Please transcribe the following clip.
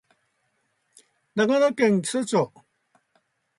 長野県木曽町